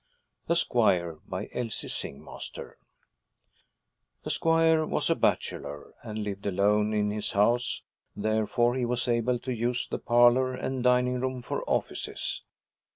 THE SQUIRE BY ELSIE SINGMASTER THE squire was a bachelor, and lived alone in his house; therefore he was able to use the parlor and dining room for offices.